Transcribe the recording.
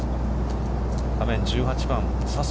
画面１８番、笹生。